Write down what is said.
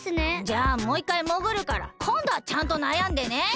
じゃあもういっかいもぐるからこんどはちゃんとなやんでね！